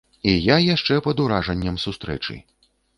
І я яшчэ пад уражаннем сустрэчы.